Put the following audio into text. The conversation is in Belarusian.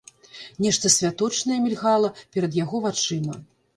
Нешта святочнае мільгала перад яго вачыма.